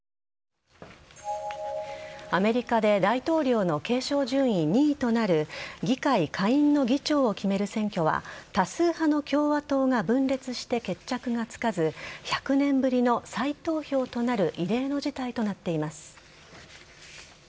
アメリカで大統領の継承順位２位となる議会下院の議長を決める選挙は多数派の共和党が分裂して決着がつかず１００年ぶりの再投票となる異例の事態となっています。